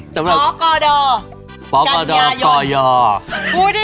ตามไปเลยค่ะ